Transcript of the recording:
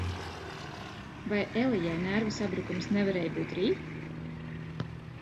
Vai Elijai nervu sabrukums nevarēja būt rīt?